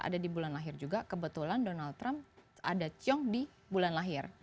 ada di bulan lahir juga kebetulan donald trump ada ciong di bulan lahir